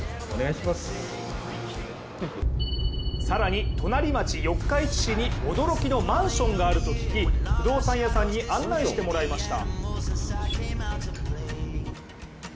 更に隣町、四日市市に驚きのマンションがあると聞き不動産屋さんに案内してもらいました。